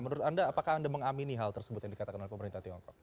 menurut anda apakah anda mengamini hal tersebut yang dikatakan oleh pemerintah tiongkok